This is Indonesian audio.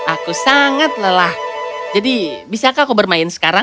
aku sangat lelah jadi bisakah aku bermain sekarang